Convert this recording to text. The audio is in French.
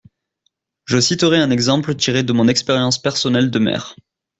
Je citerai un exemple tiré de mon expérience personnelle de maire.